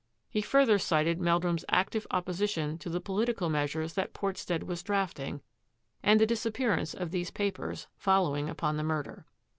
He further cited Meldrum's active opposition to the political measures that Fortstead was drafting and the dis appearance of these papers, following upon the murder.